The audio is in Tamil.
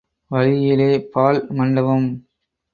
வழியிலே பாழ் மண்டபம்.